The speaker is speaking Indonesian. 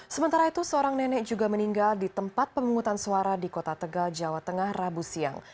sementara itu seorang nenek juga meninggal di tempat pemungutan suara di kota tegal jawa tengah rabu siang